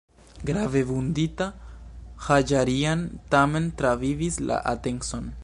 Grave vundita, Haĝarian tamen travivis la atencon.